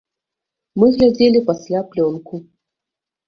Мы глядзелі пасля плёнку.